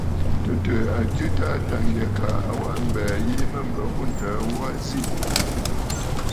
Tɨ̀tɨ̀ɨ̀ a jɨ a Taà Tâŋgyɛ kaa a waʼa mbɛ̀ɛ̀ yìi mə yu təə ghu aa bù ǹzi.